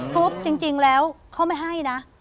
ปุ๊บจริงแล้วเขาไม่ให้นะ